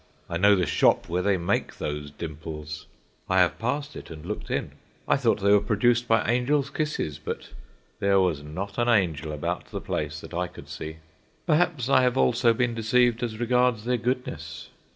I know the shop where they make those dimples; I have passed it and looked in. I thought they were produced by angels' kisses, but there was not an angel about the place, that I could see. Perhaps I have also been deceived as regards their goodness.